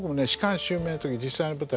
芝襲名の時に実際の舞台